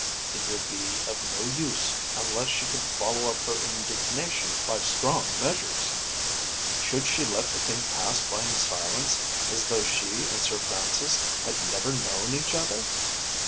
It would be of no use unless she could follow up her indignation by strong measures. Should she let the thing pass by in silence, as though she and Sir Francis had never known each other?